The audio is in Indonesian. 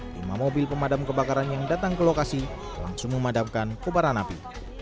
lima mobil pemadam kebakaran yang datang ke lokasi langsung memadamkan kebaran api